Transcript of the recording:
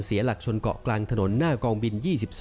เสียหลักชนเกาะกลางถนนหน้ากองบิน๒๓